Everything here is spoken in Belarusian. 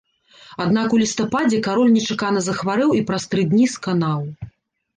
Аднак у лістападзе кароль нечакана захварэў і праз тры дні сканаў.